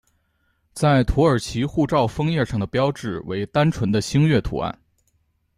在土耳其护照封页上的标志为单纯的星月图案。